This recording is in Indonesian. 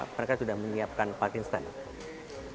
mereka sudah menyiapkan parking stand